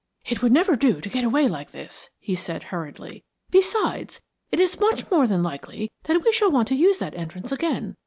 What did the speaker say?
"It would never do to go away like this," he said, hurriedly. "Besides, it is more than likely that we shall want to use that entrance again.